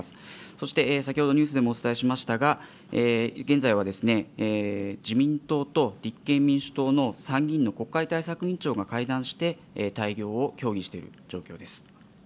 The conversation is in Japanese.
そして先ほどニュースでもお伝えしましたが、現在は自民党と立憲民主党の参議院の国会対策委員長が会談して、対応を協議している状況です。